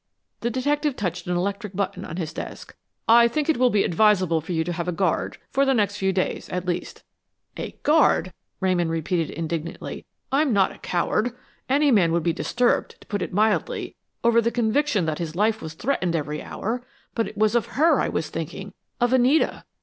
The detective touched an electric button on his desk. "I think it will be advisable for you to have a guard, for the next few days, at least." "A guard!" Ramon repeated, indignantly. "I'm not a coward. Any man would be disturbed, to put it mildly, over the conviction that his life was threatened every hour, but it was of her I was thinking of Anita!